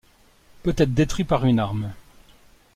Peut être détruit par une arme.